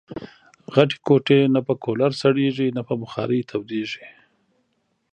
غټي کوټې نه په کولرسړېږي ، نه په بخارۍ تودېږي